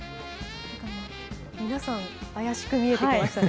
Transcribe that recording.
皆さん、怪しく見えてきましたね。